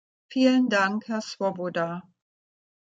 Vielen Dank, Herr Swoboda.